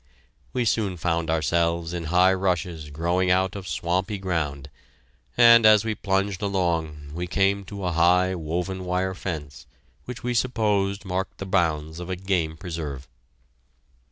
We soon found ourselves in high rushes growing out of swampy ground, and as we plunged along, we came to a high woven wire fence, which we supposed marked the bounds of a game preserve.